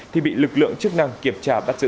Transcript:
thì bị lực lượng chức năng kiểm tra bắt giữ